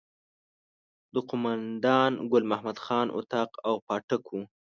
د قوماندان ګل محمد خان اطاق او پاټک وو.